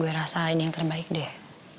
gue rasain yang terbaik deh